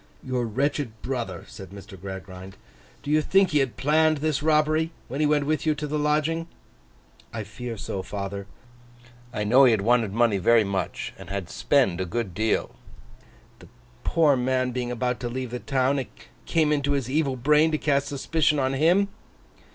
'Your wretched brother,' said Mr. Gradgrind. 'Do you think he had planned this robbery, when he went with you to the lodging?' 'I fear so, father. I know he had wanted money very much, and had spent a great deal.' 'The poor man being about to leave the town, it came into his evil brain to cast suspicion on him?